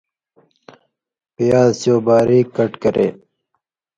پیاز چو باریک کٹ کرے